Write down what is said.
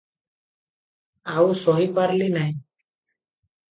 ଆଉ ସହି ପାରିଲି ନାହିଁ ।